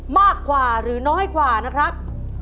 มากกว่าหรือน้อยกว่านะครับ